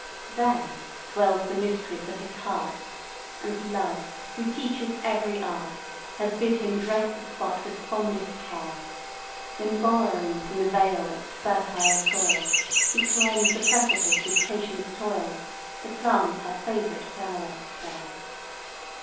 There dwells the mistress of his heart, And Love , who teaches every art, Has bid him dress the spot with fondest care; When borrowing from the vale its fertile soil, He climbs the precipice with patient toil, To plant her favourite flowerets there.